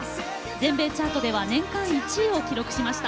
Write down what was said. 全米チャートでは年間１位を記録しました。